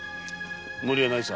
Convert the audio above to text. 無理はないさ。